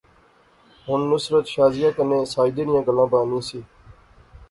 ہن نصرت شازیہ کنے ساجدے نیاں گلاں بانی سی